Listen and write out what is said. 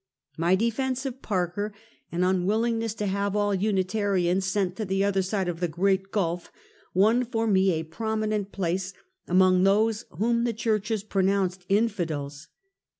My defense of Parker and unwillingness to have all Unitarians sent to the other side of the Great Gulf, won for me a prominent place among those whom the churches pronounced " Infidels."